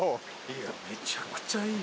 いやめちゃくちゃいいわ。